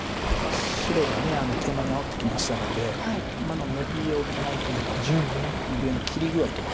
白がケイマにあおってきましたので今のノビを打たないとまだ右上の切り具合とか。